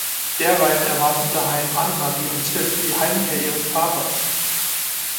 Derweil erwarten daheim Annemarie und Tim die Heimkehr ihres Vaters.